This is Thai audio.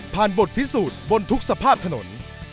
บทพิสูจน์บนทุกสภาพถนน